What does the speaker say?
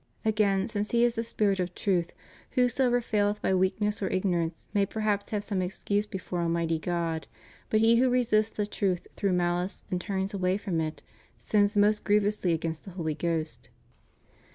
Again, since He is the Spirit of Truth, whosoever faileth by weakness or ignorance may per haps have some excuse before Almighty God; but he who resists the truth through malice and turns away from it, sins most grievously against the Holy Ghost.